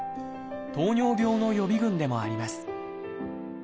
糖尿病の予備群でもあります。